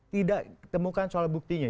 tidak temukan soal buktinya